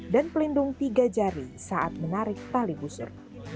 dan pelindung tiga jari saat menarik tali busur